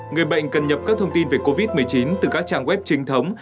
ba người bệnh cần nhập các thông tin về covid một mươi chín từ các trang web trinh thống